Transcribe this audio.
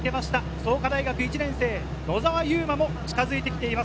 創価大学１年生・野沢悠真も近づいてきています。